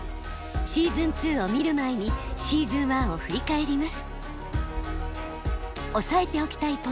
シーズン２を見る前にシーズン１を振り返ります。